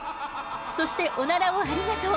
そしてオナラをありがとう！